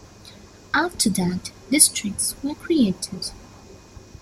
After that, districts were created.